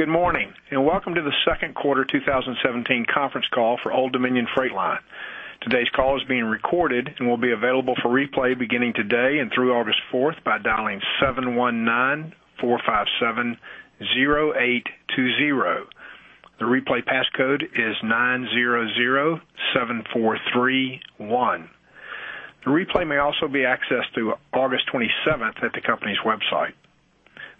Good morning. Welcome to the second quarter 2017 conference call for Old Dominion Freight Line. Today's call is being recorded and will be available for replay beginning today and through August 4th by dialing 719-457-0820. The replay passcode is 9007431. The replay may also be accessed through August 27th at the company's website.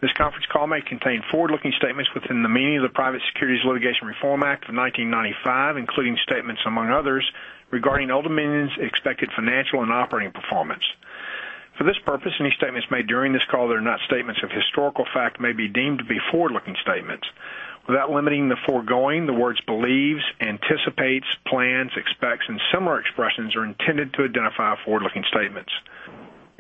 This conference call may contain forward-looking statements within the meaning of the Private Securities Litigation Reform Act of 1995, including statements, among others, regarding Old Dominion's expected financial and operating performance. For this purpose, any statements made during this call that are not statements of historical fact may be deemed to be forward-looking statements. Without limiting the foregoing, the words believes, anticipates, plans, expects, and similar expressions are intended to identify forward-looking statements.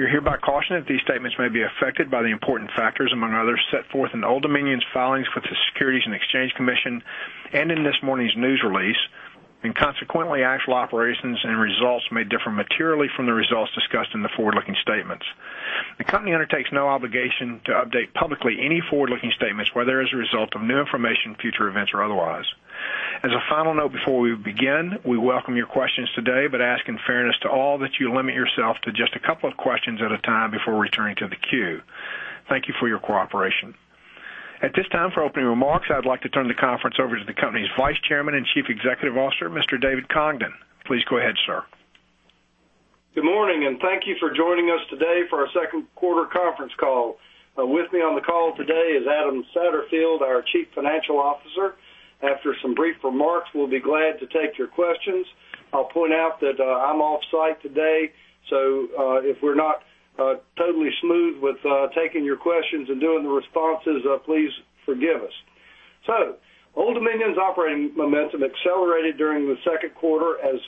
You're hereby cautioned that these statements may be affected by the important factors, among others, set forth in Old Dominion's filings with the Securities and Exchange Commission and in this morning's news release. Consequently, actual operations and results may differ materially from the results discussed in the forward-looking statements. The company undertakes no obligation to update publicly any forward-looking statements, whether as a result of new information, future events, or otherwise. As a final note, before we begin, we welcome your questions today. Ask in fairness to all that you limit yourself to just a couple of questions at a time before returning to the queue. Thank you for your cooperation. At this time, for opening remarks, I'd like to turn the conference over to the company's Vice Chairman and Chief Executive Officer, Mr. David Congdon. Please go ahead, sir. Good morning. Thank you for joining us today for our second quarter conference call. With me on the call today is Adam Satterfield, our Chief Financial Officer. After some brief remarks, we'll be glad to take your questions. I'll point out that I'm off-site today. If we're not totally smooth with taking your questions and doing the responses, please forgive us. Old Dominion's operating momentum accelerated during the second quarter as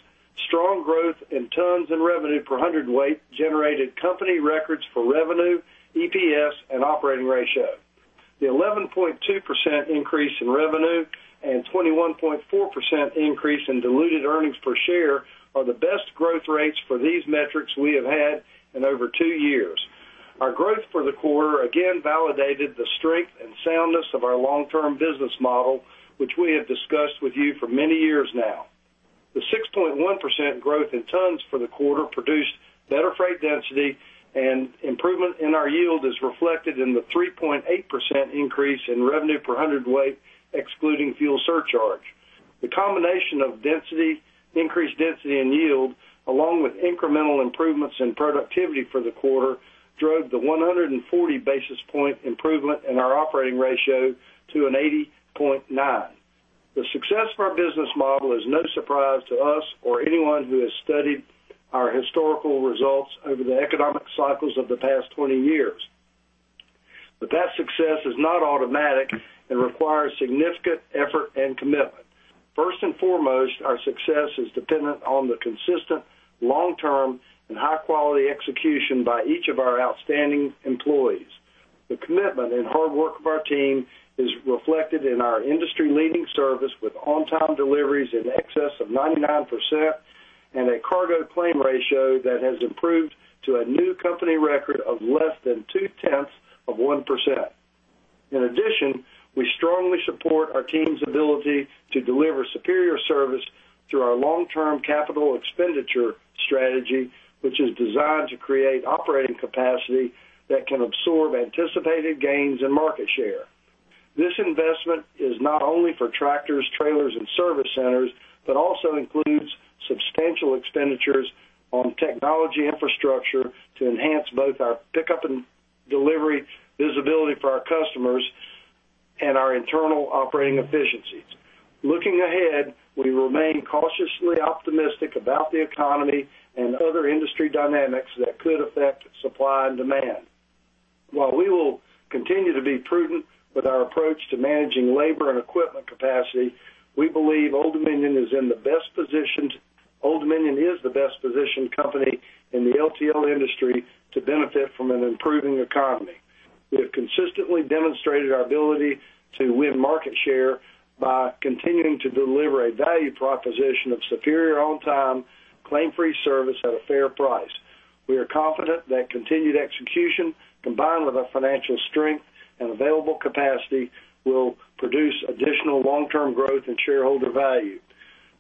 strong growth in tons and revenue per hundred weight generated company records for revenue, EPS, and operating ratio. The 11.2% increase in revenue and 21.4% increase in diluted earnings per share are the best growth rates for these metrics we have had in over two years. Our growth for the quarter again validated the strength and soundness of our long-term business model, which we have discussed with you for many years now. The 6.1% growth in tons for the quarter produced better freight density and improvement in our yield is reflected in the 3.8% increase in revenue per hundred weight, excluding fuel surcharge. The combination of increased density and yield, along with incremental improvements in productivity for the quarter, drove the 140 basis point improvement in our operating ratio to an 80.9. The success of our business model is no surprise to us or anyone who has studied our historical results over the economic cycles of the past 20 years. That success is not automatic and requires significant effort and commitment. First and foremost, our success is dependent on the consistent, long-term, and high-quality execution by each of our outstanding employees. The commitment and hard work of our team is reflected in our industry-leading service with on-time deliveries in excess of 99% and a cargo claim ratio that has improved to a new company record of less than two-tenths of 1%. In addition, we strongly support our team's ability to deliver superior service through our long-term capital expenditure strategy, which is designed to create operating capacity that can absorb anticipated gains and market share. This investment is not only for tractors, trailers, and service centers, but also includes substantial expenditures on technology infrastructure to enhance both our pickup and delivery visibility for our customers and our internal operating efficiencies. Looking ahead, we remain cautiously optimistic about the economy and other industry dynamics that could affect supply and demand. While we will continue to be prudent with our approach to managing labor and equipment capacity, we believe Old Dominion is the best-positioned company in the LTL industry to benefit from an improving economy. We have consistently demonstrated our ability to win market share by continuing to deliver a value proposition of superior on-time, claim-free service at a fair price. We are confident that continued execution, combined with our financial strength and available capacity, will produce additional long-term growth and shareholder value.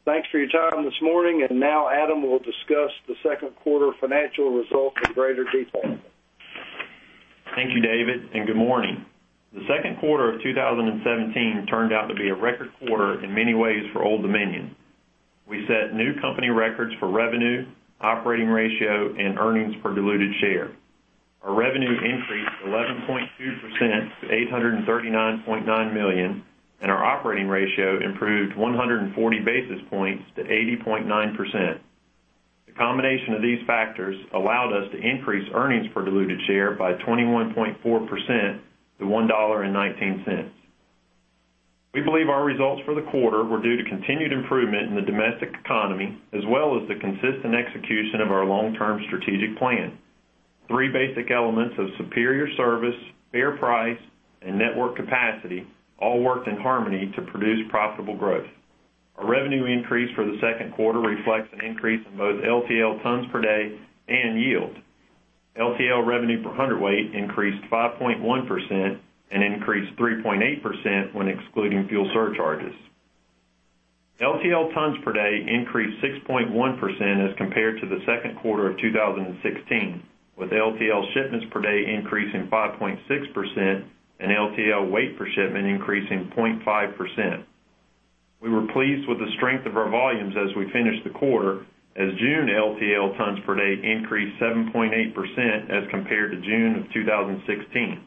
Thanks for your time this morning, and now Adam will discuss the second quarter financial results in greater detail. Thank you, David, and good morning. The second quarter of 2017 turned out to be a record quarter in many ways for Old Dominion. We set new company records for revenue, operating ratio, and earnings per diluted share. Our revenue increased 11.2% to $839.9 million, and our operating ratio improved 140 basis points to 80.9%. The combination of these factors allowed us to increase earnings per diluted share by 21.4% to $1.19. We believe our results for the quarter were due to continued improvement in the domestic economy, as well as the consistent execution of our long-term strategic plan. Three basic elements of superior service, fair price, and network capacity all worked in harmony to produce profitable growth. Our revenue increase for the second quarter reflects an increase in both LTL tons per day and yield. LTL revenue per hundredweight increased 5.1% and increased 3.8% when excluding fuel surcharges. LTL tons per day increased 6.1% as compared to the second quarter of 2016, with LTL shipments per day increasing 5.6% and LTL weight per shipment increasing 0.5%. We were pleased with the strength of our volumes as we finished the quarter, as June LTL tons per day increased 7.8% as compared to June of 2016.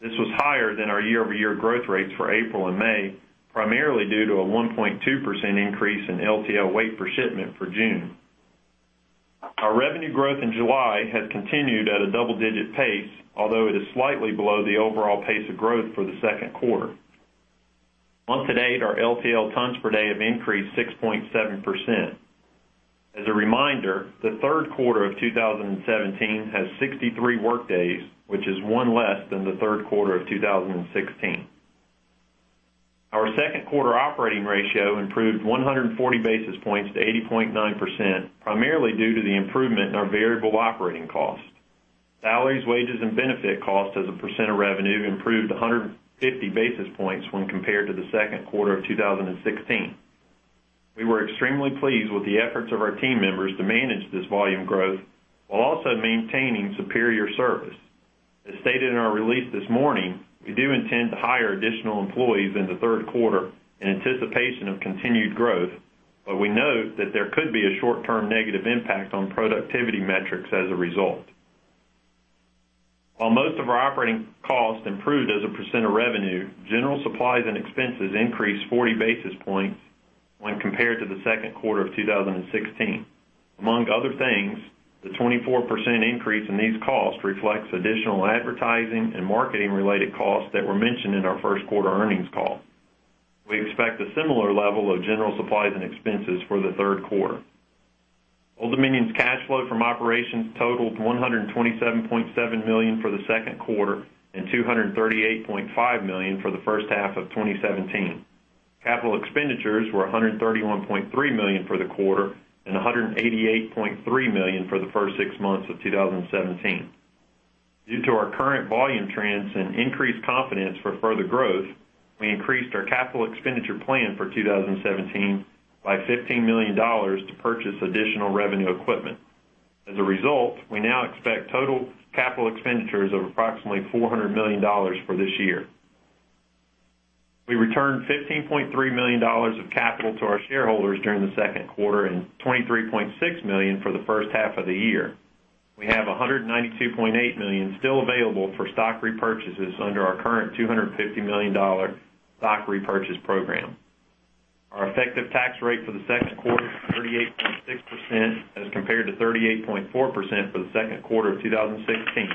This was higher than our year-over-year growth rates for April and May, primarily due to a 1.2% increase in LTL weight per shipment for June. Our revenue growth in July has continued at a double-digit pace, although it is slightly below the overall pace of growth for the second quarter. Month to date, our LTL tons per day have increased 6.7%. As a reminder, the third quarter of 2017 has 63 workdays, which is one less than the third quarter of 2016. Our second quarter operating ratio improved 140 basis points to 80.9%, primarily due to the improvement in our variable operating cost. Salaries, wages, and benefit costs as a percent of revenue improved 150 basis points when compared to the second quarter of 2016. We were extremely pleased with the efforts of our team members to manage this volume growth while also maintaining superior service. As stated in our release this morning, we do intend to hire additional employees in the third quarter in anticipation of continued growth, but we note that there could be a short-term negative impact on productivity metrics as a result. While most of our operating costs improved as a percent of revenue, general supplies and expenses increased 40 basis points when compared to the second quarter of 2016. Among other things, the 24% increase in these costs reflects additional advertising and marketing-related costs that were mentioned in our first quarter earnings call. We expect a similar level of general supplies and expenses for the third quarter. Old Dominion's cash flow from operations totaled $127.7 million for the second quarter and $238.5 million for the first half of 2017. Capital Expenditures were $131.3 million for the quarter and $188.3 million for the first six months of 2017. Due to our current volume trends and increased confidence for further growth, we increased our Capital Expenditure plan for 2017 by $15 million to purchase additional revenue equipment. As a result, we now expect total Capital Expenditures of approximately $400 million for this year. We returned $15.3 million of capital to our shareholders during the second quarter and $23.6 million for the first half of the year. We have $192.8 million still available for stock repurchases under our current $250 million stock repurchase program. Our effective tax rate for the second quarter is 38.6% as compared to 38.4% for the second quarter of 2016.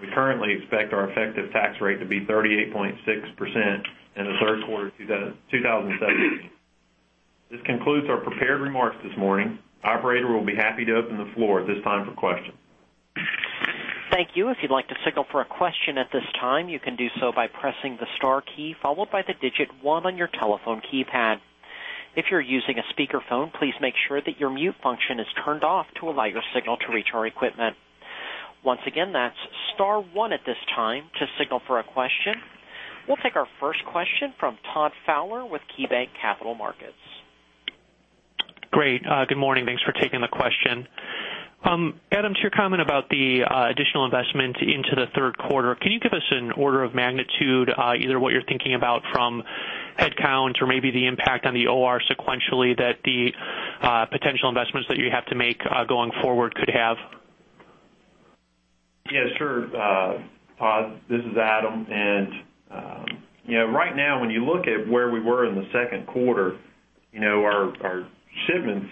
We currently expect our effective tax rate to be 38.6% in the third quarter of 2017. This concludes our prepared remarks this morning. Operator will be happy to open the floor at this time for questions. Thank you. If you'd like to signal for a question at this time, you can do so by pressing the star key followed by the digit one on your telephone keypad. If you're using a speakerphone, please make sure that your mute function is turned off to allow your signal to reach our equipment. Once again, that's star one at this time to signal for a question. We'll take our first question from Todd Fowler with KeyBanc Capital Markets. Great. Good morning. Thanks for taking the question. Adam, to your comment about the additional investment into the third quarter, can you give us an order of magnitude, either what you're thinking about from headcount or maybe the impact on the OR sequentially that the potential investments that you have to make going forward could have? Yes, sure. Todd, this is Adam. Right now, when you look at where we were in the second quarter, our shipments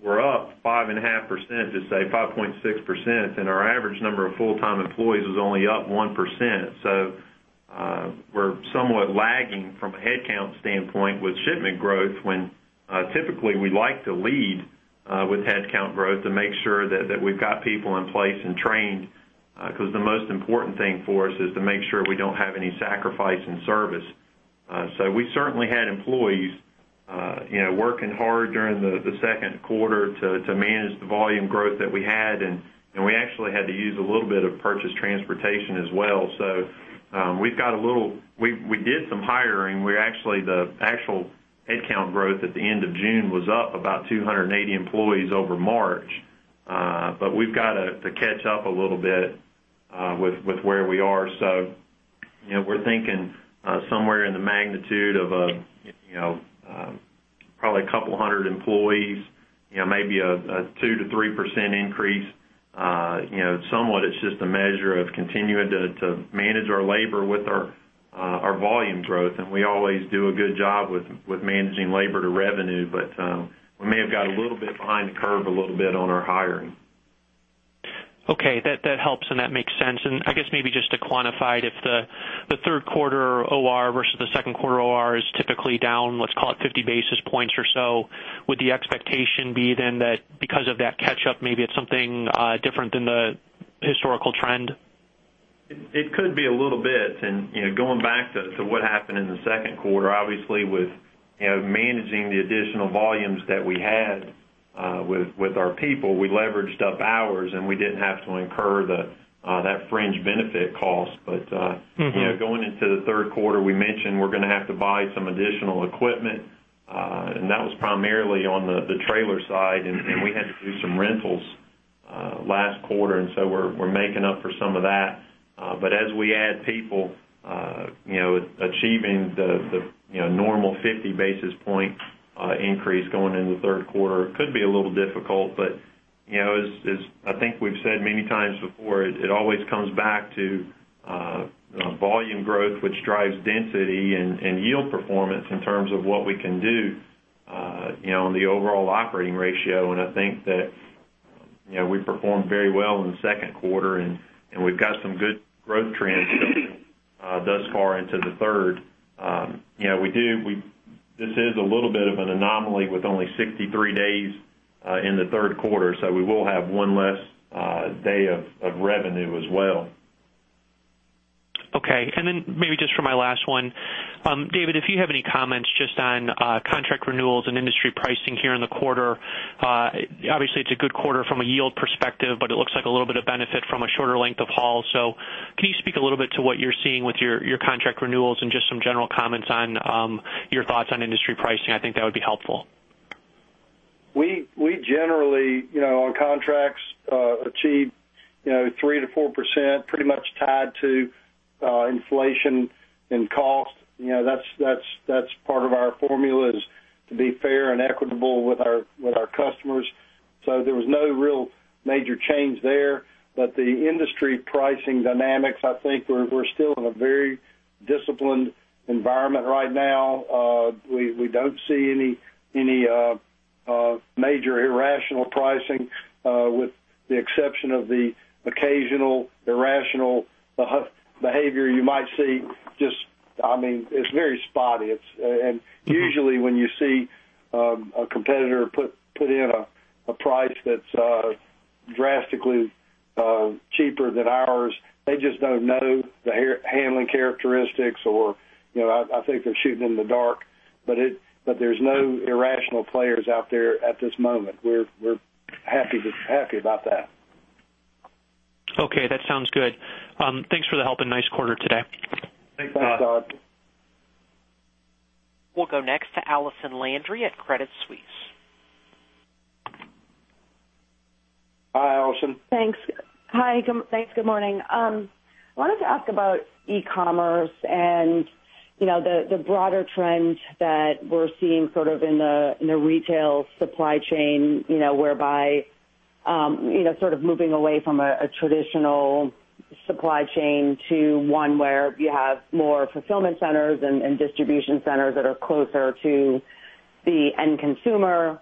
were up 5.5%, let's say 5.6%, and our average number of full-time employees was only up 1%. We're somewhat lagging from a headcount standpoint with shipment growth when typically, we like to lead with headcount growth to make sure that we've got people in place and trained, because the most important thing for us is to make sure we don't have any sacrifice in service. We certainly had employees working hard during the second quarter to manage the volume growth that we had, and we actually had to use a little bit of purchase transportation as well. We did some hiring. The actual headcount growth at the end of June was up about 280 employees over March. We've got to catch up a little bit with where we are. We're thinking somewhere in the magnitude of probably a couple of hundred employees, maybe a 2%-3% increase. Somewhat, it's just a measure of continuing to manage our labor with our volume growth. We always do a good job with managing labor to revenue, we may have got a little bit behind the curve a little bit on our hiring. Okay. That helps and that makes sense. I guess maybe just to quantify it, if the third quarter OR versus the second quarter OR is typically down, let's call it 50 basis points or so, would the expectation be that because of that catch-up, maybe it's something different than the historical trend? It could be a little bit. Going back to what happened in the second quarter, obviously with managing the additional volumes that we had with our people, we leveraged up hours, and we didn't have to incur that fringe benefit cost. Going into the third quarter, we mentioned we're going to have to buy some additional equipment, and that was primarily on the trailer side, and we had to do some rentals last quarter. So we're making up for some of that. As we add people, achieving the normal 50 basis point increase going into the third quarter could be a little difficult. As I think we've said many times before, it always comes back to volume growth, which drives density and yield performance in terms of what we can do on the overall operating ratio. I think that we performed very well in the second quarter, and we've got some good growth trends thus far into the third. This is a little bit of an anomaly with only 63 days in the third quarter, so we will have one less day of revenue as well. Okay. Maybe just for my last one, David, if you have any comments just on contract renewals and industry pricing here in the quarter. Obviously, it's a good quarter from a yield perspective, but it looks like a little bit of benefit from a shorter length of haul. Can you speak a little bit to what you're seeing with your contract renewals and just some general comments on your thoughts on industry pricing? I think that would be helpful. We generally, on contracts, achieve 3%-4%, pretty much tied to inflation and cost. That's part of our formula is to be fair and equitable with our customers. There was no real major change there. The industry pricing dynamics, I think we're still in a very disciplined environment right now. We don't see any major irrational pricing with the exception of the occasional irrational behavior you might see. It's very spotty. Usually, when you see a competitor put in a price that's drastically cheaper than ours, they just don't know the handling characteristics, or I think they're shooting in the dark. There's no irrational players out there at this moment. We're happy about that. Okay, that sounds good. Thanks for the help and nice quarter today. Thanks, Todd. Thanks, Todd. We'll go next to Allison Landry at Credit Suisse. Hi, Allison. Thanks. Hi, thanks. Good morning. I wanted to ask about e-commerce and the broader trend that we're seeing sort of in the retail supply chain, whereby sort of moving away from a traditional supply chain to one where you have more fulfillment centers and distribution centers that are closer to the end consumer,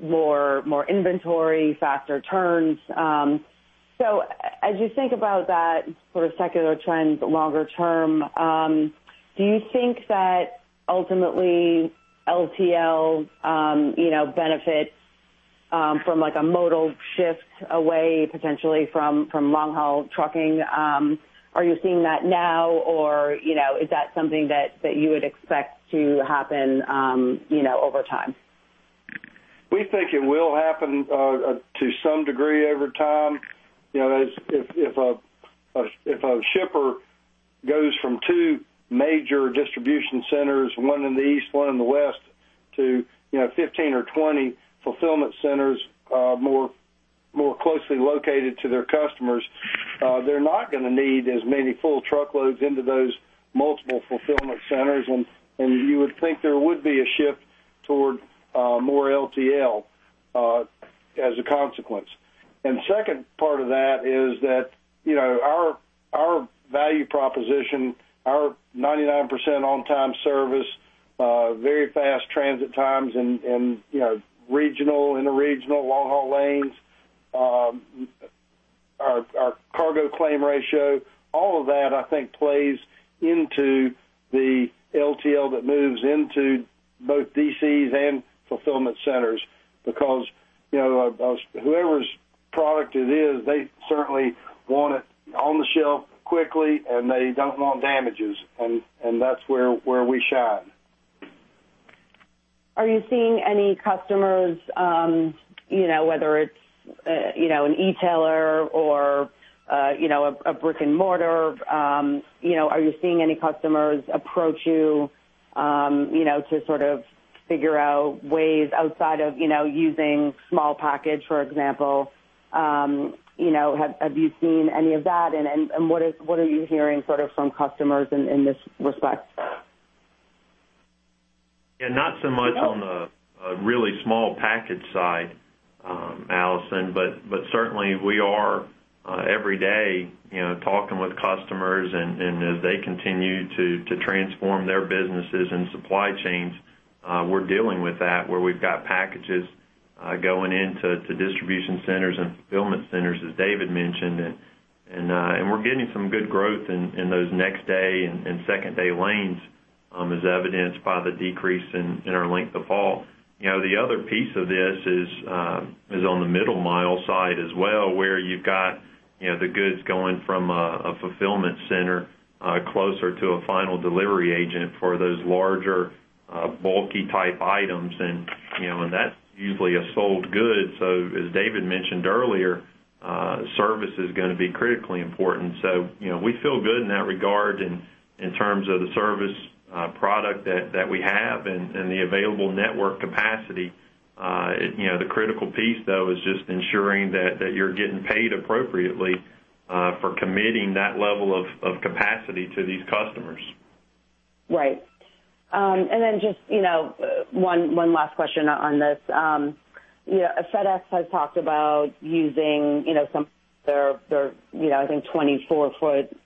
more inventory, faster turns. As you think about that sort of secular trend longer term, do you think that ultimately LTL benefits from a modal shift away, potentially from long-haul trucking? Are you seeing that now, or is that something that you would expect to happen over time? We think it will happen to some degree over time. If a shipper goes from 2 major distribution centers, one in the east, one in the west, to 15 or 20 fulfillment centers more closely located to their customers, they're not going to need as many full truckloads into those multiple fulfillment centers, and you would think there would be a shift toward more LTL as a consequence. Second part of that is that our value proposition, our 99% on-time service, very fast transit times in regional, interregional, long-haul lanes, our cargo claim ratio, all of that, I think, plays into the LTL that moves into both DCs and fulfillment centers. Whoever's product it is, they certainly want it on the shelf quickly, and they don't want damages. That's where we shine. Are you seeing any customers, whether it's an e-tailer or a brick and mortar, are you seeing any customers approach you to sort of figure out ways outside of using small package, for example? Have you seen any of that, what are you hearing sort of from customers in this respect? Yeah, not so much on the really small package side, Allison. Certainly, we are every day talking with customers, and as they continue to transform their businesses and supply chains, we're dealing with that, where we've got packages going into distribution centers and fulfillment centers, as David mentioned. We're getting some good growth in those next day and second day lanes, as evidenced by the decrease in our length of haul. The other piece of this is on the middle mile side as well, where you've got the goods going from a fulfillment center closer to a final delivery agent for those larger, bulky type items. That's usually a sold good. As David mentioned earlier, service is going to be critically important. We feel good in that regard in terms of the service product that we have and the available network capacity. The critical piece, though, is just ensuring that you're getting paid appropriately for committing that level of capacity to these customers. Right. Just one last question on this. FedEx has talked about using some of their, I think, 24-foot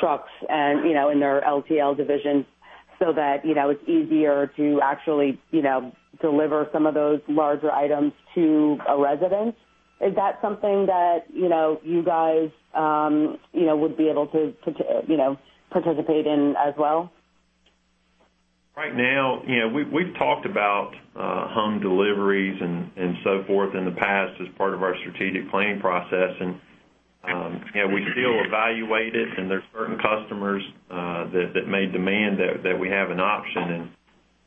trucks in their LTL division so that it's easier to actually deliver some of those larger items to a residence. Is that something that you guys would be able to participate in as well? Right now, we've talked about home deliveries and so forth in the past as part of our strategic planning process. We still evaluate it. There's certain customers that may demand that we have an option.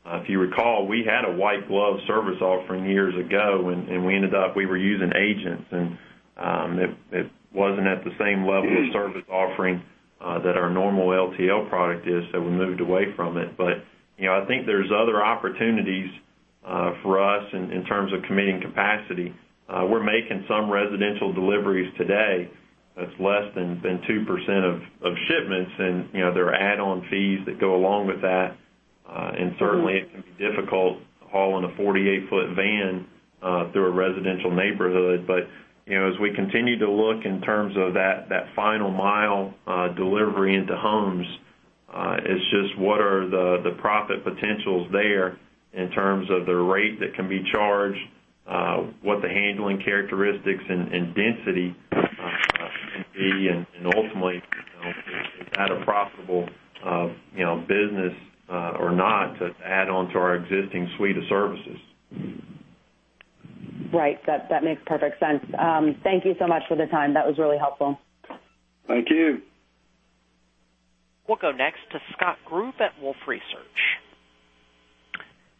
If you recall, we had a white glove service offering years ago. We ended up, we were using agents. It wasn't at the same level of service offering that our normal LTL product is. We moved away from it. I think there's other opportunities for us in terms of committing capacity. We're making some residential deliveries today that's less than 2% of shipments. There are add-on fees that go along with that. Certainly it can be difficult hauling a 48-foot van through a residential neighborhood. as we continue to look in terms of that final mile delivery into homes, it's just what are the profit potentials there in terms of the rate that can be charged, what the handling characteristics and density can be, and ultimately, is that a profitable business or not to add on to our existing suite of services. Right. That makes perfect sense. Thank you so much for the time. That was really helpful. Thank you. We'll go next to Scott Group at Wolfe Research.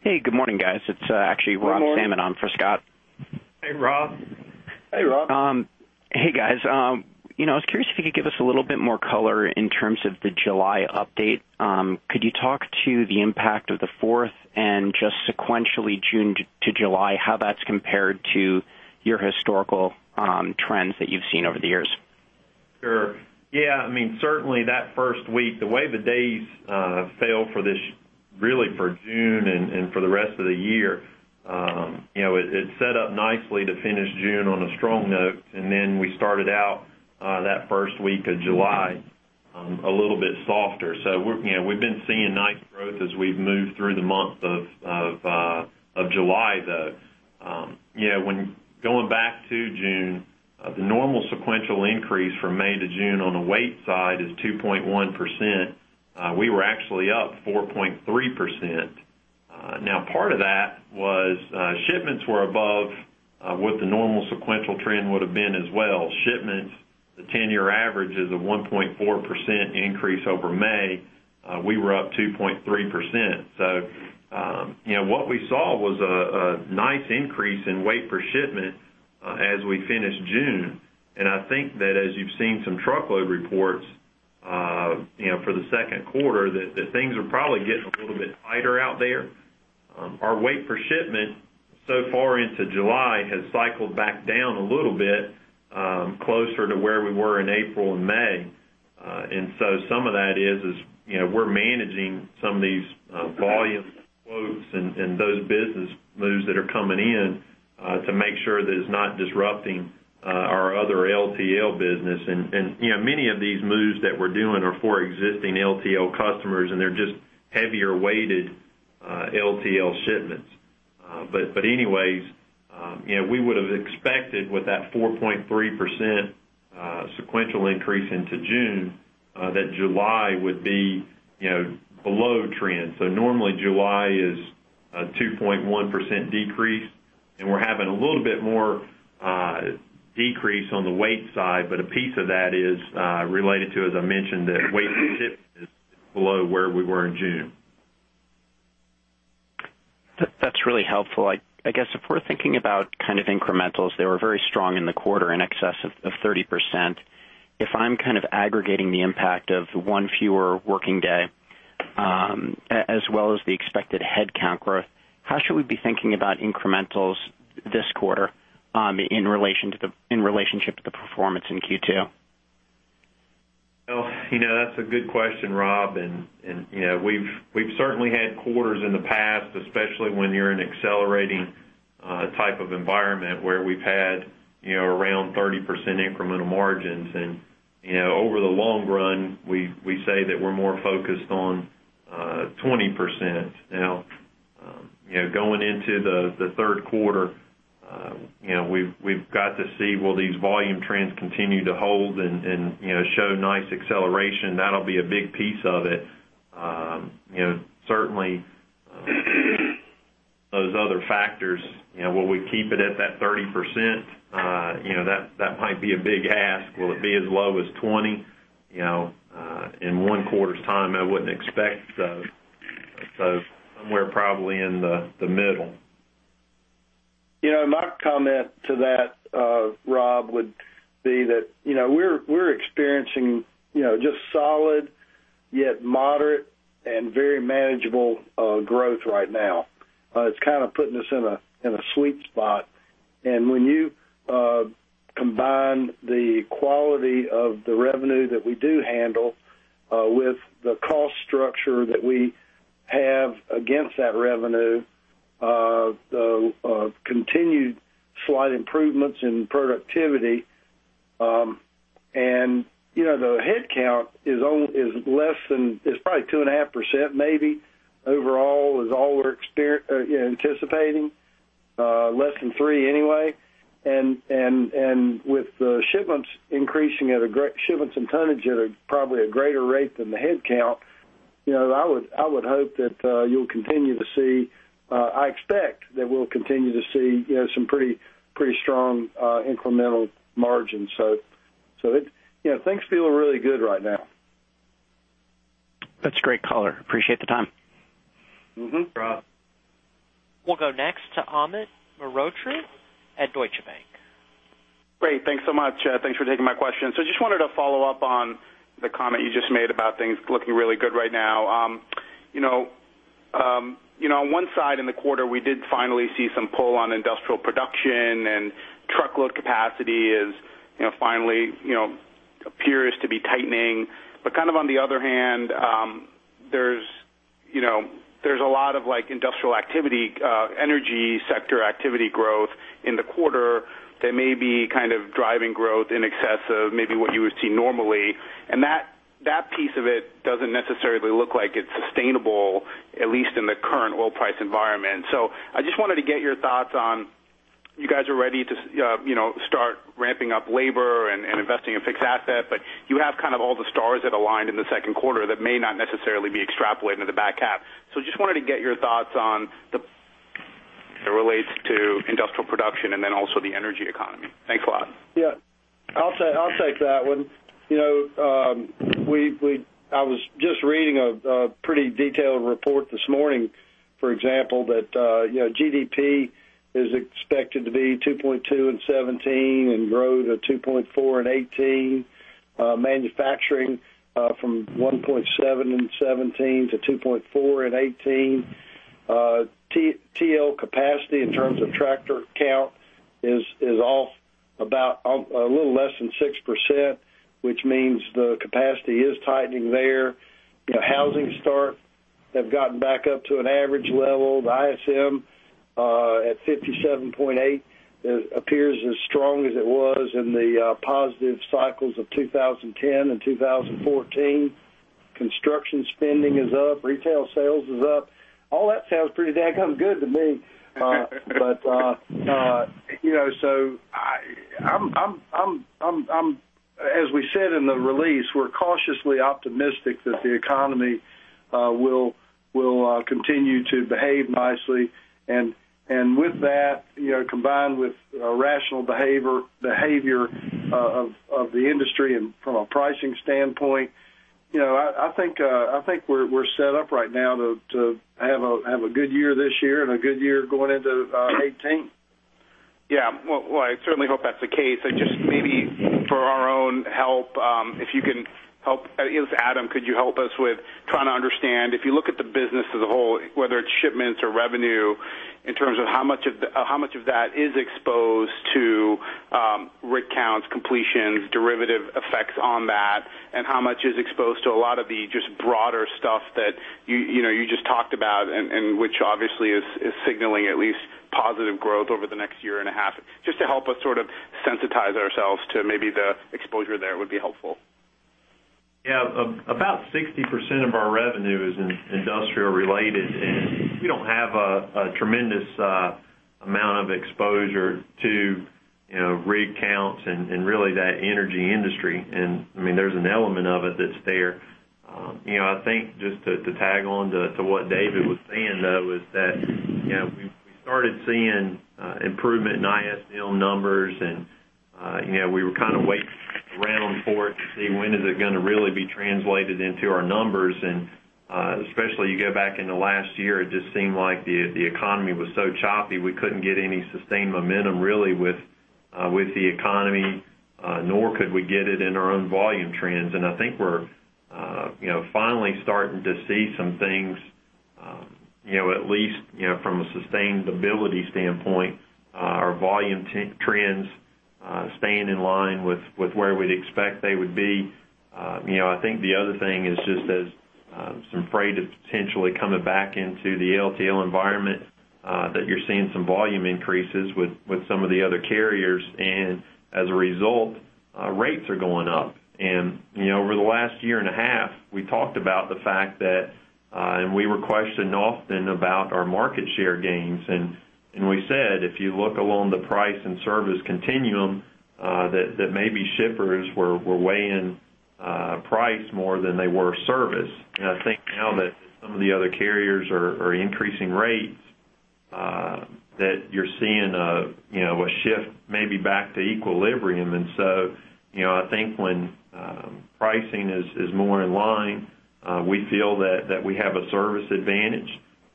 Hey, good morning, guys. It's actually Rob Salmon on for Scott. Good morning. Hey, Rob. Hey, Rob. Hey, guys. I was curious if you could give us a little bit more color in terms of the July update. Could you talk to the impact of the fourth and just sequentially June to July, how that's compared to your historical trends that you've seen over the years? Sure. Yeah, certainly that first week, the way the days fell for this, really for June and for the rest of the year. It's set up nicely to finish June on a strong note, and then we started out that first week of July a little bit softer. We've been seeing nice growth as we've moved through the month of July, though. When going back to June, the normal sequential increase from May to June on the weight side is 2.1%. We were actually up 4.3%. Now, part of that was shipments were above what the normal sequential trend would have been as well. Shipments, the 10-year average is a 1.4% increase over May. We were up 2.3%. What we saw was a nice increase in weight per shipment as we finished June. I think that as you've seen some truckload reports for the second quarter, that things are probably getting a little bit tighter out there. Our weight per shipment so far into July has cycled back down a little bit closer to where we were in April and May. Some of that is we're managing some of these volume quotes and those business moves that are coming in to make sure that it's not disrupting our other LTL business. Many of these moves that we're doing are for existing LTL customers, and they're just heavier weighted LTL shipments. Anyways, we would have expected with that 4.3% sequential increase into June, that July would be below trend. Normally, July is a 2.1% decrease, and we're having a little bit more decrease on the weight side, but a piece of that is related to, as I mentioned, that weight per shipment is below where we were in June. That's really helpful. I guess if we're thinking about incrementals, they were very strong in the quarter, in excess of 30%. If I'm aggregating the impact of one fewer working day, as well as the expected headcount growth, how should we be thinking about incrementals this quarter in relationship to the performance in Q2? That's a good question, Rob. We've certainly had quarters in the past, especially when you're in an accelerating type of environment where we've had around 30% incremental margins. Over the long run, we say that we're more focused on 20%. Going into the third quarter, we've got to see will these volume trends continue to hold and show nice acceleration. That'll be a big piece of it. Certainly, those other factors, will we keep it at that 30%? That might be a big ask. Will it be as low as 20%? In one quarter's time, I wouldn't expect so. Somewhere probably in the middle. My comment to that, Rob, would be that we're experiencing just solid, yet moderate and very manageable growth right now. It's putting us in a sweet spot. When you combine the quality of the revenue that we do handle with the cost structure that we have against that revenue, the continued slight improvements in productivity, and the headcount is probably 2.5% maybe overall, is all we're anticipating. Less than 3% anyway. With the shipments and tonnage at probably a greater rate than the headcount, I expect that we'll continue to see some pretty strong incremental margins. Things feel really good right now. That's a great color. Appreciate the time. No problem. We'll go next to Amit Mehrotra at Deutsche Bank. Great. Thanks so much. Thanks for taking my question. I just wanted to follow up on the comment you just made about things looking really good right now. On one side in the quarter, we did finally see some pull on industrial production, and truckload capacity finally appears to be tightening. On the other hand, there's a lot of industrial activity, energy sector activity growth in the quarter that may be driving growth in excess of maybe what you would see normally. That piece of it doesn't necessarily look like it's sustainable, at least in the current oil price environment. I just wanted to get your thoughts on, you guys are ready to start ramping up labor and investing in fixed asset, but you have all the stars that aligned in the second quarter that may not necessarily be extrapolated to the back half. Just wanted to get your thoughts on industrial production and then also the energy economy. Thanks a lot. Yeah. I'll take that one. I was just reading a pretty detailed report this morning, for example, that GDP is expected to be 2.2% in 2017 and grow to 2.4% in 2018. Manufacturing from 1.7% in 2017 to 2.4% in 2018. TL capacity in terms of tractor count is off about a little less than 6%, which means the capacity is tightening there. Housing starts have gotten back up to an average level. The ISM at 57.8 appears as strong as it was in the positive cycles of 2010 and 2014. Construction spending is up. Retail sales is up. All that sounds pretty dadgum good to me. As we said in the release, we're cautiously optimistic that the economy will continue to behave nicely. With that, combined with rational behavior of the industry and from a pricing standpoint, I think we're set up right now to have a good year this year and a good year going into 2018. Yeah. Well, I certainly hope that's the case. I just maybe for our own help, Adam, could you help us with trying to understand, if you look at the business as a whole, whether it's shipments or revenue, in terms of how much of that is exposed to rig counts, completions, derivative effects on that, and how much is exposed to a lot of the just broader stuff that you just talked about and which obviously is signaling at least positive growth over the next year and a half? Just to help us sensitize ourselves to maybe the exposure there would be helpful. Yeah. About 60% of our revenue is industrial related, and we don't have a tremendous amount of exposure to rig counts and really that energy industry. There's an element of it that's there. I think just to tag on to what David was saying, though, is that we started seeing improvement in ISM numbers, and we were waiting around for it to see when is it going to really be translated into our numbers. Especially you go back in the last year, it just seemed like the economy was so choppy, we couldn't get any sustained momentum really with the economy, nor could we get it in our own volume trends. I think we're finally starting to see some things at least from a sustainability standpoint, our volume trends staying in line with where we'd expect they would be. I think the other thing is just as some freight is potentially coming back into the LTL environment, that you're seeing some volume increases with some of the other carriers. As a result, rates are going up. Over the last year and a half, we talked about the fact that We were questioned often about our market share gains. We said, if you look along the price and service continuum, that maybe shippers were weighing price more than they were service. I think now that some of the other carriers are increasing rates, that you're seeing a shift maybe back to equilibrium. I think when pricing is more in line, we feel that we have a service advantage,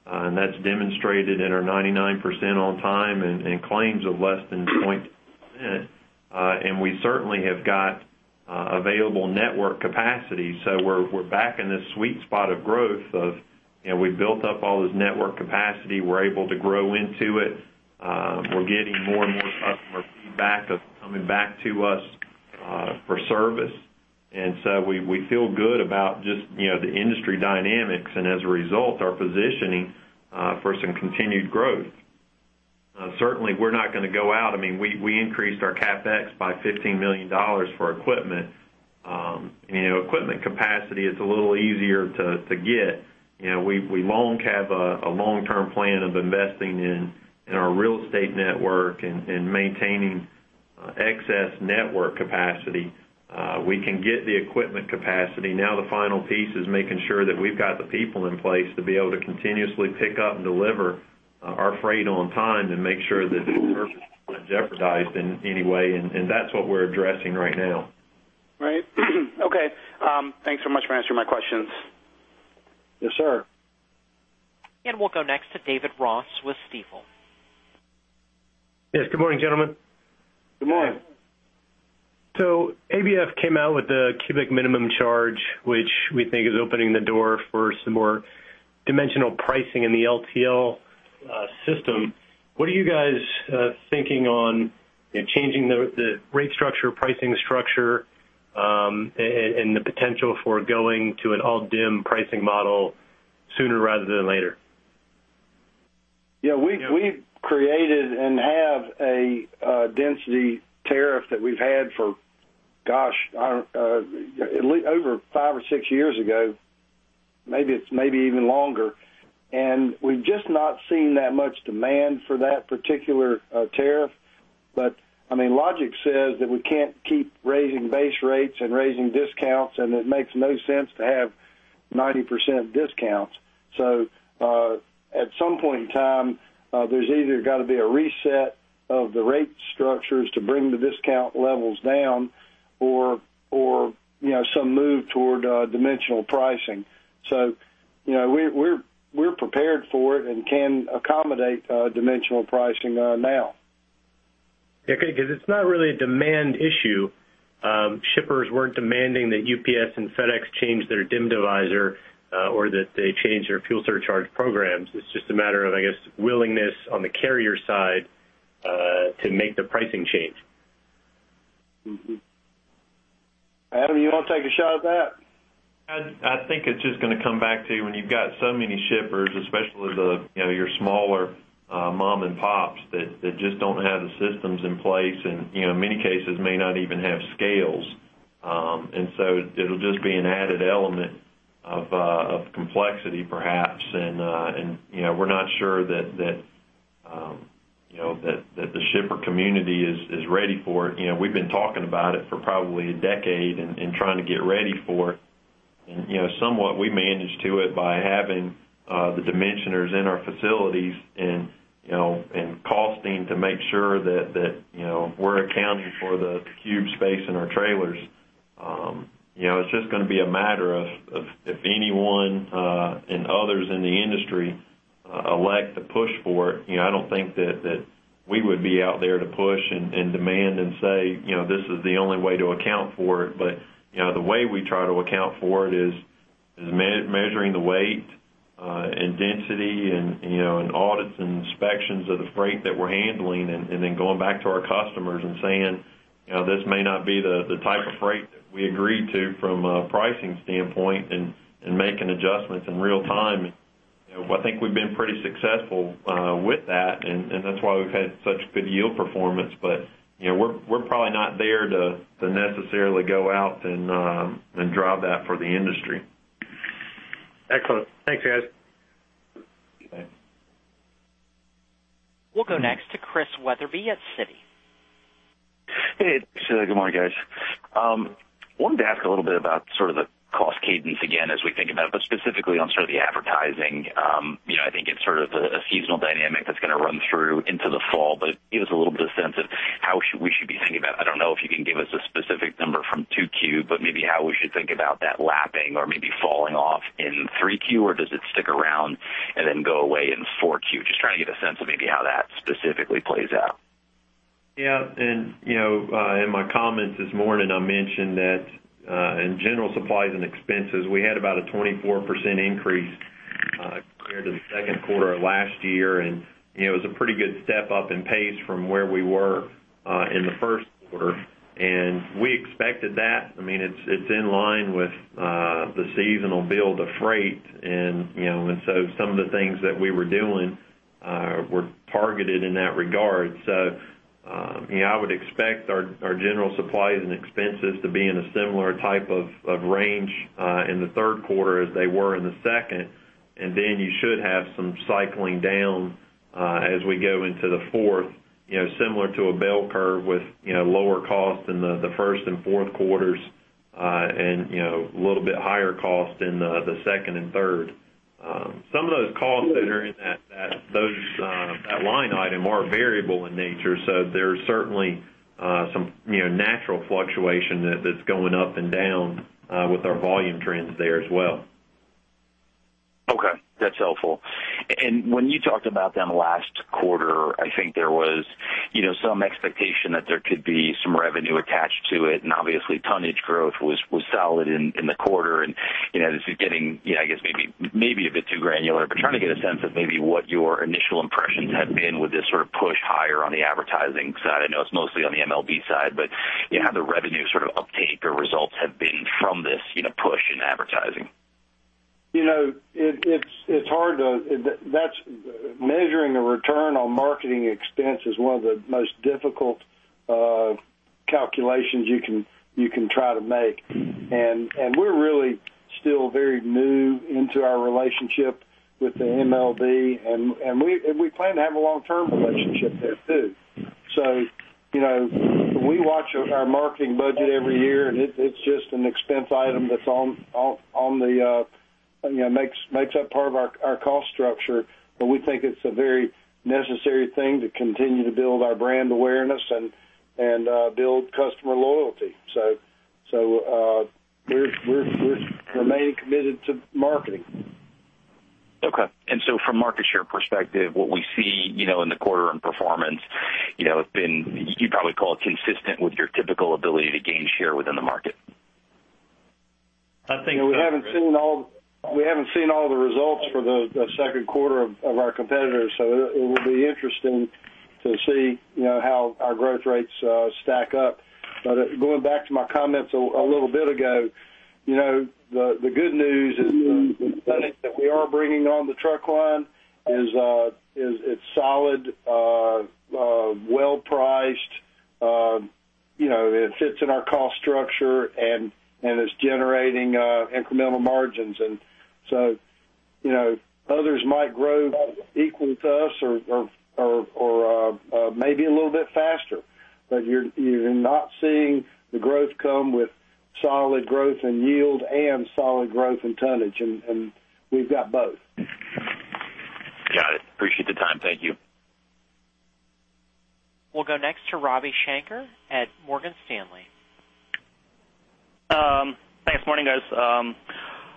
and that's demonstrated in our 99% on time and claims of less than 0.2%. We certainly have got available network capacity. We're back in this sweet spot of growth of, we built up all this network capacity, we're able to grow into it. We're getting more and more customer feedback of coming back to us for service. We feel good about just the industry dynamics, and as a result, are positioning for some continued growth. Certainly, we're not going to go out. We increased our CapEx by $15 million for equipment. Equipment capacity is a little easier to get. We long have a long-term plan of investing in our real estate network and maintaining excess network capacity. We can get the equipment capacity. Now the final piece is making sure that we've got the people in place to be able to continuously pick up and deliver our freight on time to make sure that the service isn't jeopardized in any way. That's what we're addressing right now. Right. Okay. Thanks so much for answering my questions. Yes, sir. We'll go next to David Ross with Stifel. Good morning, gentlemen. Good morning. Good morning. ABF came out with the cubic minimum charge, which we think is opening the door for some more dimensional pricing in the LTL system. What are you guys thinking on changing the rate structure, pricing structure, and the potential for going to an all dim pricing model sooner rather than later? Yeah. We've created and have a density tariff that we've had for, gosh, over five or six years ago. Maybe it's maybe even longer. We've just not seen that much demand for that particular tariff. Logic says that we can't keep raising base rates and raising discounts, and it makes no sense to have 90% discounts. At some point in time, there's either got to be a reset of the rate structures to bring the discount levels down or some move toward dimensional pricing. We're prepared for it and can accommodate dimensional pricing now. Yeah. Okay, because it's not really a demand issue. Shippers weren't demanding that UPS and FedEx change their dim divisor, or that they change their fuel surcharge programs. It's just a matter of, I guess, willingness on the carrier side to make the pricing change. Mm-hmm. Adam, you want to take a shot at that? I think it's just going to come back to when you've got so many shippers, especially your smaller mom and pops that just don't have the systems in place, and in many cases may not even have scales. So it'll just be an added element of complexity, perhaps. We're not sure that the shipper community is ready for it. We've been talking about it for probably a decade and trying to get ready for it. Somewhat, we manage to it by having the dimensioners in our facilities and costing to make sure that we're accounting for the cube space in our trailers. It's just going to be a matter of, if anyone, and others in the industry elect to push for it. I don't think that we would be out there to push and demand and say, this is the only way to account for it. The way we try to account for it is measuring the weight and density and audits and inspections of the freight that we're handling, and then going back to our customers and saying, this may not be the type of freight that we agreed to from a pricing standpoint and making adjustments in real time. I think we've been pretty successful with that, and that's why we've had such good yield performance. We're probably not there to necessarily go out and drive that for the industry. Excellent. Thanks, guys. Okay. We'll go next to Chris Wetherbee at Citi. Hey. Good morning, guys. I wanted to ask a little bit about sort of the cost cadence again as we think about it, specifically on sort of the advertising. I think it's sort of a seasonal dynamic that's going to run through into the fall. Give us a little bit of sense of how we should be thinking about it. I don't know if you can give us a specific number from 2Q, maybe how we should think about that lapping or maybe falling off in 3Q, or does it stick around and then go away in 4Q? I'm just trying to get a sense of maybe how that specifically plays out. Yeah. In my comments this morning, I mentioned that in general supplies and expenses, we had about a 24% increase compared to the second quarter of last year. It was a pretty good step up in pace from where we were in the first quarter, and we expected that. It's in line with the seasonal build of freight. Some of the things that we were doing were targeted in that regard. I would expect our general supplies and expenses to be in a similar type of range in the third quarter as they were in the second. You should have some cycling down as we go into the fourth, similar to a bell curve with lower cost in the first and fourth quarters, and a little bit higher cost in the second and third. Some of those costs that are in that line item are variable in nature, there's certainly some natural fluctuation that's going up and down with our volume trends there as well. Okay, that's helpful. When you talked about them last quarter, I think there was some expectation that there could be some revenue attached to it, and obviously tonnage growth was solid in the quarter. This is getting, I guess, maybe a bit too granular, but trying to get a sense of maybe what your initial impressions have been with this sort of push higher on the advertising side. I know it's mostly on the MLB side, but how the revenue sort of uptake or results have been from this push in advertising? Measuring the return on marketing expense is one of the most difficult calculations you can try to make. We're really still very new into our relationship with the MLB, and we plan to have a long-term relationship there too. We watch our marketing budget every year, and it's just an expense item that makes up part of our cost structure. We think it's a very necessary thing to continue to build our brand awareness and build customer loyalty. We're remaining committed to marketing. Okay. From a market share perspective, what we see in the quarter on performance, you'd probably call it consistent with your typical ability to gain share within the market. We haven't seen all the results for the second quarter of our competitors, so it will be interesting to see how our growth rates stack up. Going back to my comments a little bit ago, the good news is the tonnage that we are bringing on the truck line is solid, well-priced. It fits in our cost structure, and it's generating incremental margins. Others might grow equal to us or maybe a little bit faster. You're not seeing the growth come with solid growth in yield and solid growth in tonnage. We've got both. Got it. Appreciate the time. Thank you. We'll go next to Ravi Shanker at Morgan Stanley. Thanks. Morning, guys.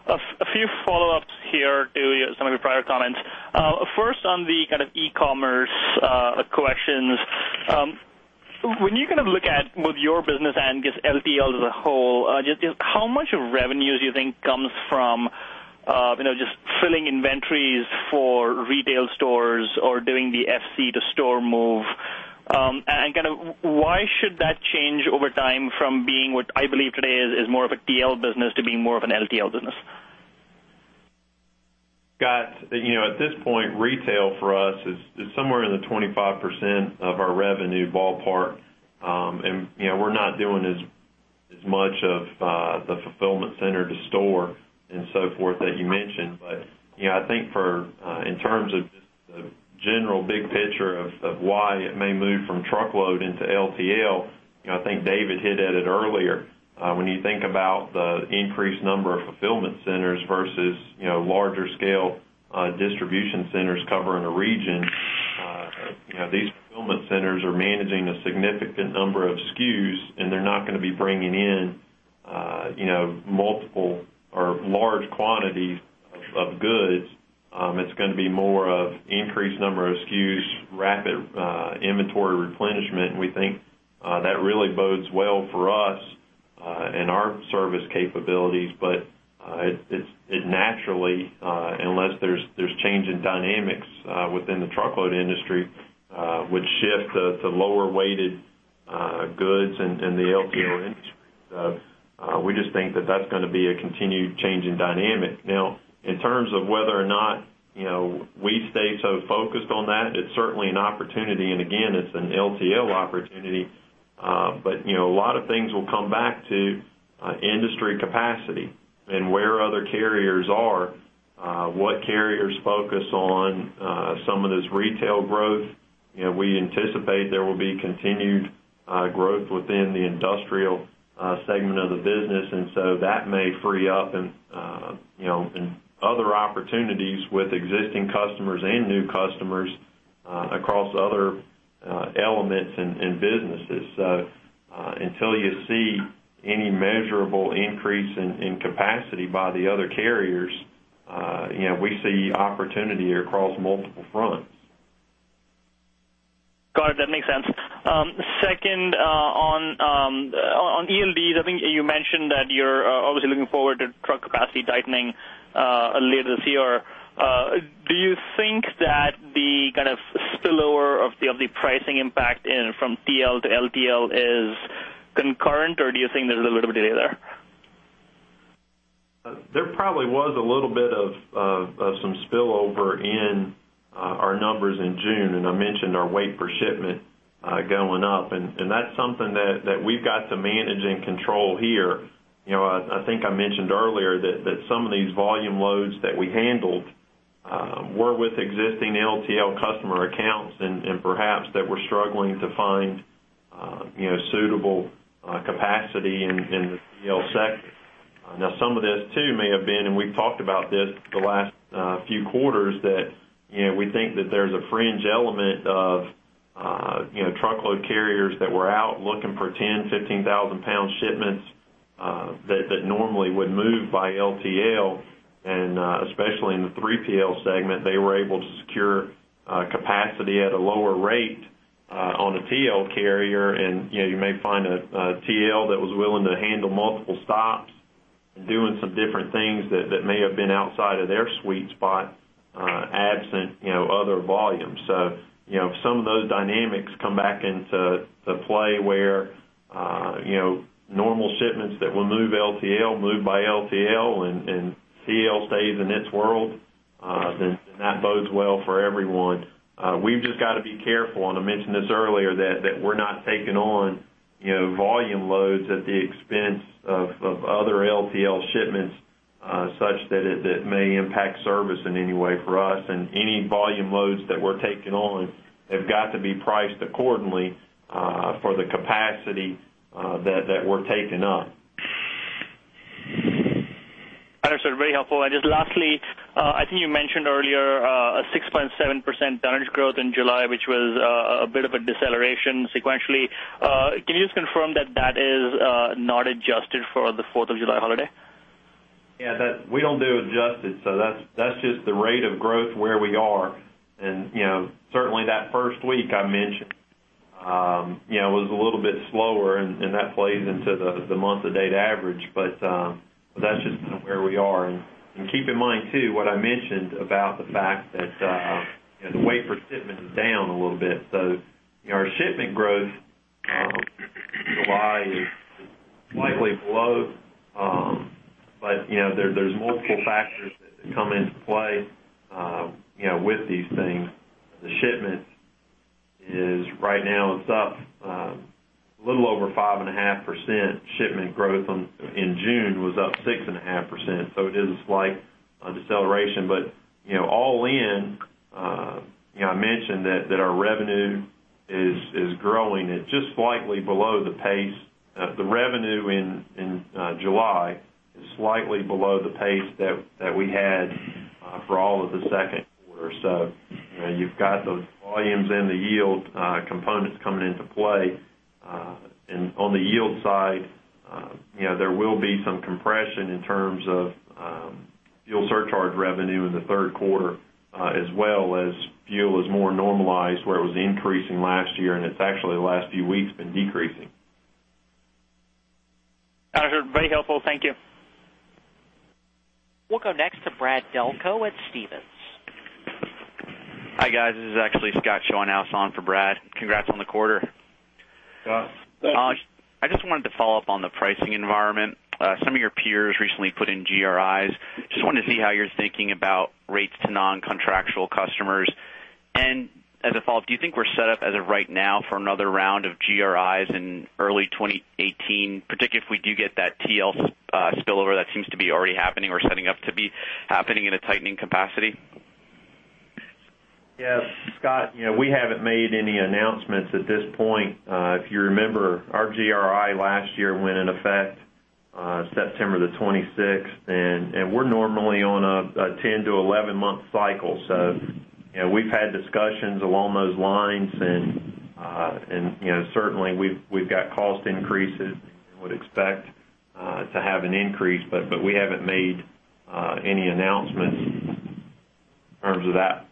A few follow-ups here to some of your prior comments. First, on the kind of e-commerce collections. When you look at both your business and just LTL as a whole, just how much of revenue do you think comes from just filling inventories for retail stores or doing the FC to store move? Why should that change over time from being what I believe today is more of a TL business to being more of an LTL business? Scott, at this point, retail for us is somewhere in the 25% of our revenue ballpark. We're not doing as much of the fulfillment center to store and so forth that you mentioned. I think in terms of just the general big picture of why it may move from truckload into LTL, I think David hit at it earlier. When you think about the increased number of fulfillment centers versus larger scale distribution centers covering a region, these fulfillment centers are managing a significant number of SKUs, and they're not going to be bringing in multiple or large quantities of goods. It's going to be more of increased number of SKUs, rapid inventory replenishment, and we think that really bodes well for us and our service capabilities. It naturally, unless there's change in dynamics within the truckload industry, would shift to lower weighted goods in the LTL industry. We just think that that's going to be a continued change in dynamic. In terms of whether or not we stay so focused on that, it's certainly an opportunity, and again, it's an LTL opportunity. A lot of things will come back to industry capacity and where other carriers are, what carriers focus on, some of this retail growth. We anticipate there will be continued growth within the industrial segment of the business, that may free up in other opportunities with existing customers and new customers across other elements and businesses. Until you see any measurable increase in capacity by the other carriers, we see opportunity across multiple fronts. Got it. That makes sense. Second, on ELDs, I think you mentioned that you're obviously looking forward to truck capacity tightening later this year. Do you think that the kind of spillover of the pricing impact from TL to LTL is concurrent, or do you think there's a little bit of delay there? There probably was a little bit of some spillover in our numbers in June, I mentioned our weight per shipment going up. That's something that we've got to manage and control here. I think I mentioned earlier that some of these volume loads that we handled were with existing LTL customer accounts and perhaps that were struggling to find suitable capacity in the TL sector. Some of this too may have been, we've talked about this the last few quarters, that we think that there's a fringe element of truckload carriers that were out looking for 10,000, 15,000-pound shipments that normally would move by LTL. Especially in the 3PL segment, they were able to secure capacity at a lower rate on a TL carrier. You may find a TL that was willing to handle multiple stops and doing some different things that may have been outside of their sweet spot, absent other volumes. If some of those dynamics come back into play where normal shipments that will move LTL move by LTL and TL stays in its world, then that bodes well for everyone. We've just got to be careful, I mentioned this earlier, that we're not taking on volume loads at the expense of other LTL shipments such that it may impact service in any way for us. Any volume loads that we're taking on have got to be priced accordingly for the capacity that we're taking on. Understood. Very helpful. Just lastly, I think you mentioned earlier a 6.7% tonnage growth in July, which was a bit of a deceleration sequentially. Can you just confirm that that is not adjusted for the Fourth of July holiday? Yeah. We don't do adjusted, that's just the rate of growth where we are. Certainly that first week I mentioned was a little bit slower, that plays into the month-to-date average. That's just where we are. Keep in mind too, what I mentioned about the fact that the weight per shipment is down a little bit. Our shipment growth in July is slightly below. There's multiple factors that come into play with these things. The shipment right now is up a little over 5.5%. Shipment growth in June was up 6.5%, it is a slight deceleration. All in, I mentioned that our revenue is growing at just slightly below the pace. The revenue in July is slightly below the pace that we had for all of the second quarter. You've got those volumes and the yield components coming into play. On the yield side, there will be some compression in terms of fuel surcharge revenue in the third quarter as well, as fuel is more normalized, where it was increasing last year and it's actually the last few weeks been decreasing. Understood. Very helpful. Thank you. We'll go next to Brad Delco at Stephens. Hi, guys. This is actually Scott Schoenhaus on for Brad. Congrats on the quarter. Scott. I just wanted to follow up on the pricing environment. Some of your peers recently put in GRIs. Just wanted to see how you're thinking about rates to non-contractual customers. As a follow-up, do you think we're set up as of right now for another round of GRIs in early 2018, particularly if we do get that TL spillover that seems to be already happening or setting up to be happening in a tightening capacity? Yes, Scott. We haven't made any announcements at this point. If you remember, our GRI last year went in effect September the 26th, and we're normally on a 10 to 11 month cycle. We've had discussions along those lines and certainly we've got cost increases and would expect to have an increase, but we haven't made any announcements in terms of that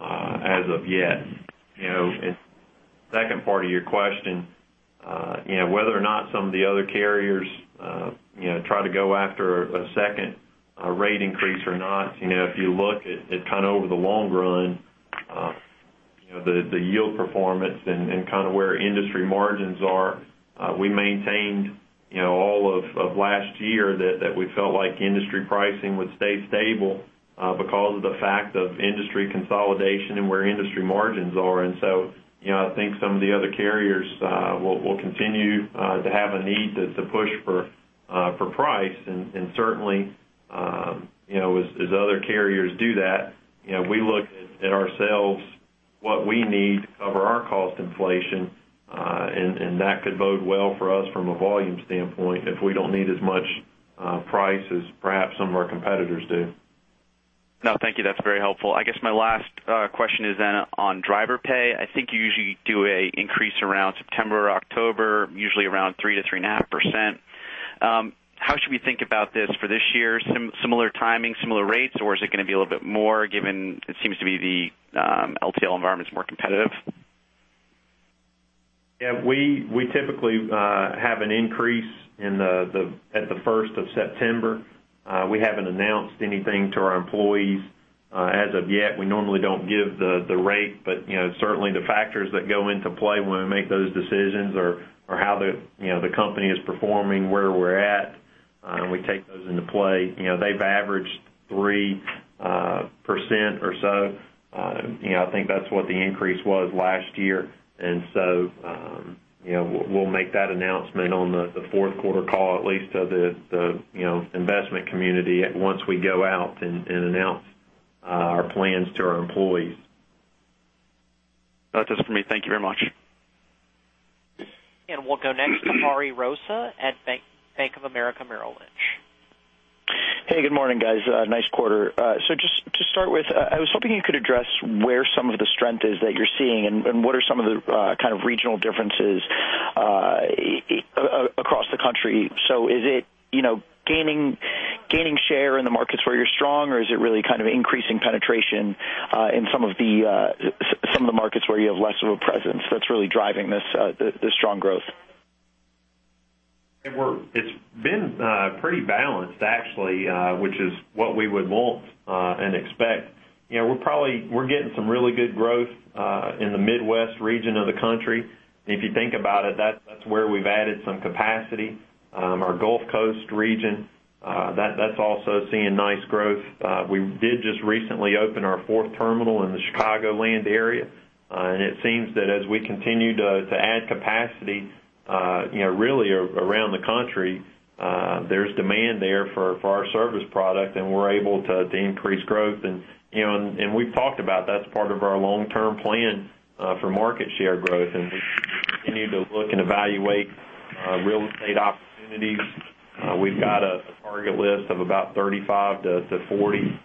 as of yet. Second part of your question, whether or not some of the other carriers try to go after a second rate increase or not. If you look at over the long run, the yield performance and where industry margins are, we maintained all of last year that we felt like industry pricing would stay stable because of the fact of industry consolidation and where industry margins are. I think some of the other carriers will continue to have a need to push for price. Certainly, as other carriers do that, we look at ourselves, what we need to cover our cost inflation, and that could bode well for us from a volume standpoint if we don't need as much price as perhaps some of our competitors do. No, thank you. That's very helpful. I guess my last question is on driver pay. I think you usually do an increase around September or October, usually around 3%-3.5%. How should we think about this for this year? Similar timing, similar rates, or is it going to be a little bit more given it seems to be the LTL environment's more competitive? We typically have an increase at the 1st of September. We haven't announced anything to our employees as of yet, we normally don't give the rate. Certainly, the factors that go into play when we make those decisions are how the company is performing, where we're at. We take those into play. They've averaged 3% or so. I think that's what the increase was last year. We'll make that announcement on the fourth quarter call, at least to the investment community once we go out and announce our plans to our employees. That's just for me. Thank you very much. We'll go next to Ariel Rosa at Bank of America Merrill Lynch. Hey, good morning, guys. Nice quarter. Just to start with, I was hoping you could address where some of the strength is that you're seeing and what are some of the regional differences across the country. Is it gaining share in the markets where you're strong, or is it really increasing penetration in some of the markets where you have less of a presence that's really driving this strong growth? It's been pretty balanced actually, which is what we would want and expect. We're getting some really good growth in the Midwest region of the country. If you think about it, that's where we've added some capacity. Our Gulf Coast region, that's also seeing nice growth. We did just recently open our fourth terminal in the Chicagoland area. It seems that as we continue to add capacity really around the country, there's demand there for our service product, and we're able to increase growth. We've talked about that's part of our long-term plan for market share growth. We continue to look and evaluate real estate opportunities. We've got a target list of about 35 to 40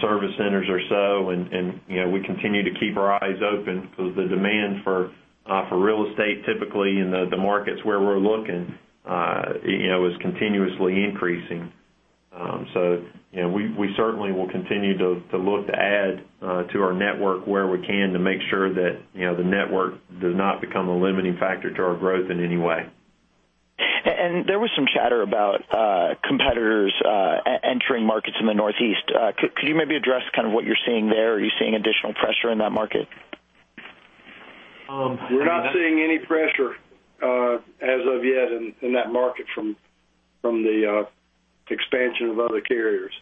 service centers or so, and we continue to keep our eyes open because the demand for real estate typically in the markets where we're looking is continuously increasing. We certainly will continue to look to add to our network where we can to make sure that the network does not become a limiting factor to our growth in any way. There was some chatter about competitors entering markets in the Northeast. Could you maybe address what you're seeing there? Are you seeing additional pressure in that market? We're not seeing any pressure as of yet in that market from the expansion of other carriers.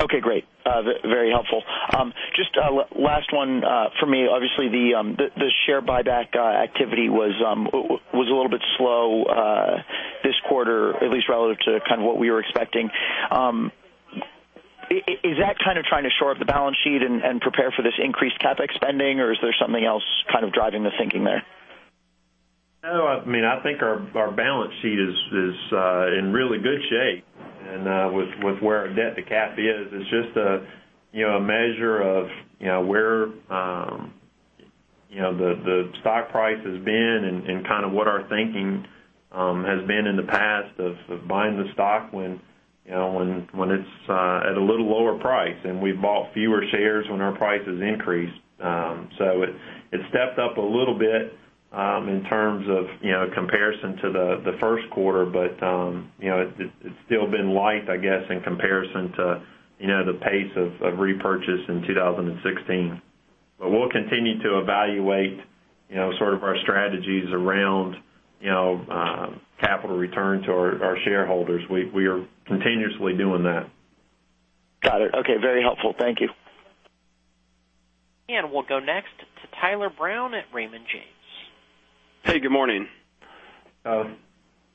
Okay, great. Very helpful. Just last one for me. Obviously, the share buyback activity was a little bit slow this quarter, at least relative to what we were expecting. Is that trying to shore up the balance sheet and prepare for this increased CapEx spending, or is there something else driving the thinking there? No. I think our balance sheet is in really good shape with where our debt to cap is. It's just a measure of where the stock price has been and what our thinking has been in the past of buying the stock when it's at a little lower price. We've bought fewer shares when our price has increased. It stepped up a little bit in terms of comparison to the first quarter, but it's still been light, I guess, in comparison to the pace of repurchase in 2016. We'll continue to evaluate our strategies around capital return to our shareholders. We are continuously doing that. Got it. Okay. Very helpful. Thank you. We'll go next to Tyler Brown at Raymond James. Hey, good morning. Adam.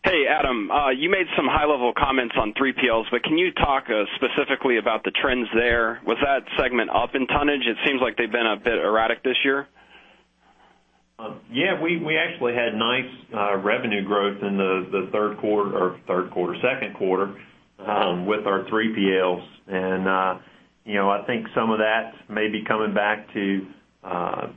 Hey, Adam. You made some high level comments on 3PLs, but can you talk specifically about the trends there? Was that segment up in tonnage? It seems like they've been a bit erratic this year. We actually had nice revenue growth in the third quarter, or second quarter with our 3PLs. I think some of that may be coming back to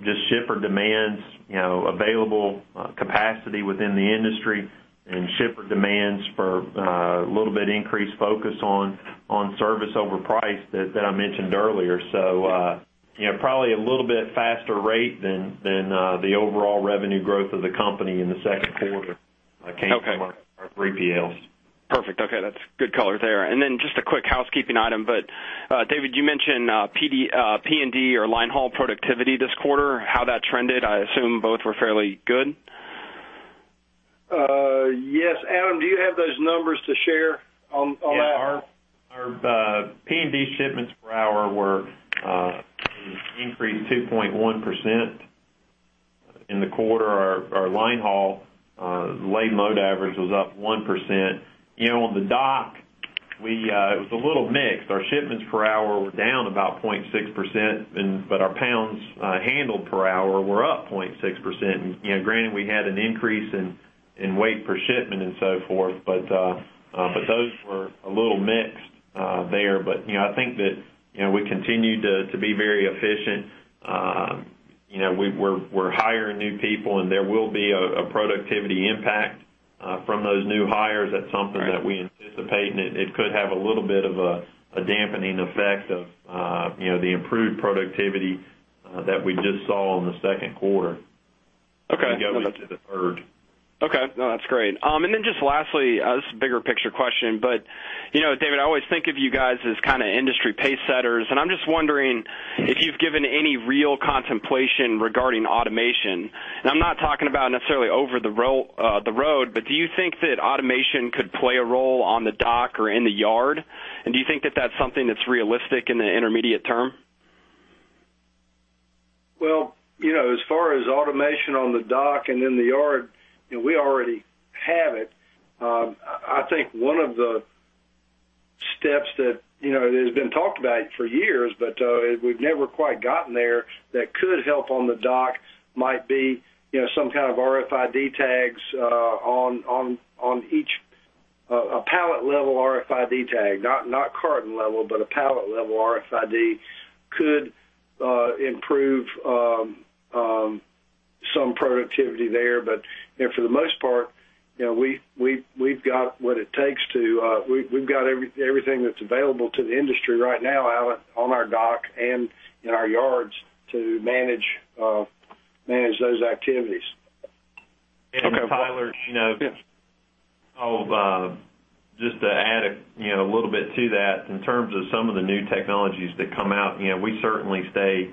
just shipper demands, available capacity within the industry, and shipper demands for a little bit increased focus on service over price that I mentioned earlier. Probably a little bit faster rate than the overall revenue growth of the company in the second quarter when it came to our 3PLs. Perfect. That's good color there. Just a quick housekeeping item, David, you mentioned P&D or line haul productivity this quarter, how that trended. I assume both were fairly good. Adam, do you have those numbers to share on that? Our P&D shipments per hour increased 2.1% in the quarter. Our line haul [load mode] average was up 1%. On the dock, it was a little mixed. Our shipments per hour were down about 0.6%, but our pounds handled per hour were up 0.6%. Granted, we had an increase in weight per shipment and so forth, those were a little mixed there. I think that we continue to be very efficient. We're hiring new people, and there will be a productivity impact from those new hires. That's something that we anticipate, and it could have a little bit of a dampening effect of the improved productivity that we just saw in the second quarter. Okay. go into the third. Okay. No, that's great. Just lastly, this is a bigger picture question, David, I always think of you guys as industry pace setters, I'm just wondering if you've given any real contemplation regarding automation. I'm not talking about necessarily over the road, do you think that automation could play a role on the dock or in the yard? Do you think that that's something that's realistic in the intermediate term? Well, as far as automation on the dock and in the yard, we already have it. I think one of the steps that has been talked about for years, we've never quite gotten there that could help on the dock might be some kind of RFID tags on each pallet level RFID tag, not carton level, a pallet level RFID could improve some productivity there. For the most part, We've got everything that's available to the industry right now, [Tyler] on our dock and in our yards to manage those activities. Okay. Tyler, just to add a little bit to that, in terms of some of the new technologies that come out, we certainly stay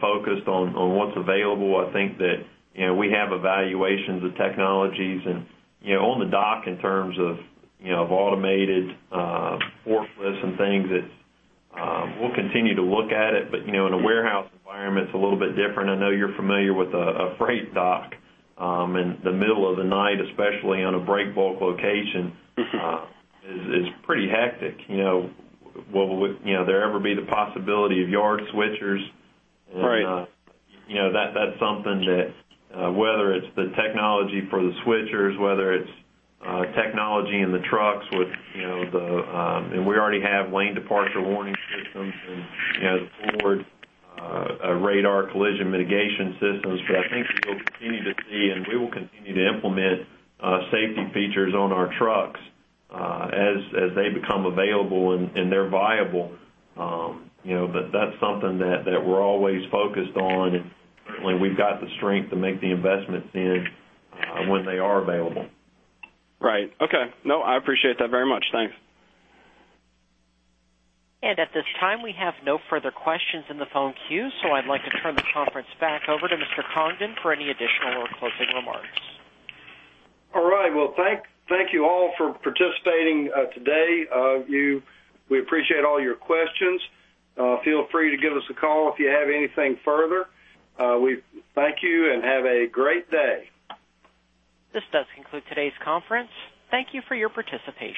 focused on what's available. I think that we have evaluations of technologies on the dock in terms of automated forklifts and things, we'll continue to look at it. In a warehouse environment, it's a little bit different. I know you're familiar with a freight dock. In the middle of the night, especially on a break bulk location, is pretty hectic. There ever be the possibility of yard switchers and? Right that's something that, whether it's the technology for the switchers, whether it's technology in the trucks with the. We already have lane departure warning systems and the forward radar collision mitigation systems. I think we will continue to see, and we will continue to implement safety features on our trucks, as they become available and they're viable. That's something that we're always focused on, and certainly we've got the strength to make the investments in when they are available. Right. Okay. No, I appreciate that very much. Thanks. At this time, we have no further questions in the phone queue, so I'd like to turn the conference back over to Mr. Congdon for any additional or closing remarks. All right. Well, thank you all for participating today. We appreciate all your questions. Feel free to give us a call if you have anything further. We thank you and have a great day. This does conclude today's conference. Thank you for your participation.